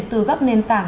từ gấp nền tảng